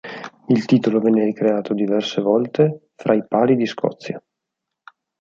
Il titolo venne ricreato diverse volte fra i Pari di Scozia.